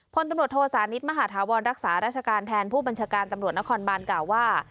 พลตำรวจโทสานิทมหาธาวรรักษาราชการแทนผู้บัญชาการตำรวจนครบานกล่าวว่า